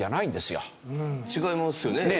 違いますよね。